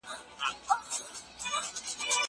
هغه څوک چې اوبه څښي روغ وي!